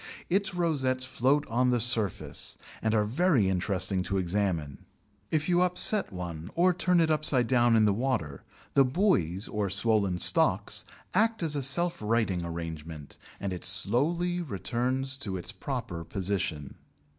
Its rosettes float on the surface, and are very interesting to examine. If you upset one or turn it upside down in the water, the "buoys" or swollen stalks act as a self righting arrangement, and it slowly returns to its proper position.